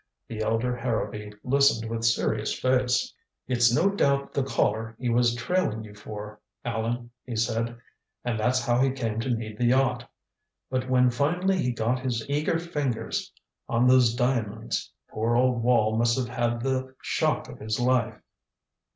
The elder Harrowby listened with serious face. "It's no doubt the Collar he was trailing you for, Allan," he said. "And that's how he came to need the yacht. But when finally he got his eager fingers on those diamonds, poor old Wall must have had the shock of his life."